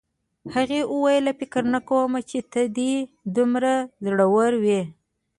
هغې وویل فکر نه کوم چې ته دې دومره زړور وې